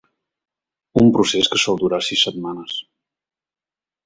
Un procés que sol durar sis setmanes.